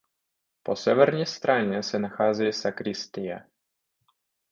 Po severní straně se nachází sakristie.